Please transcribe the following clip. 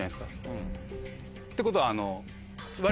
うん。ってことは。